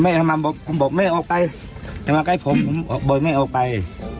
เนี่ยแบบเป็นขึ้นเส้นเนี่ยผมให้จับดูได้ครับ